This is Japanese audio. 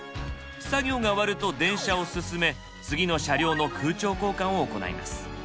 作業が終わると電車を進め次の車両の空調交換を行います。